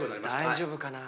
大丈夫かな？